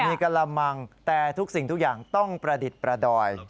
มีกระมังแต่ทุกสิ่งทุกอย่างต้องประดิษฐ์ประดอย